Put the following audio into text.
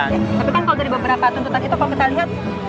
tapi kan kalau dari beberapa tuntutan itu kalau kita lihat